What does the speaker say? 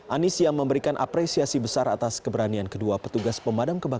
anis yang memberikan apresiasi besar atas keberanian kedua petugas pemadam kebakaran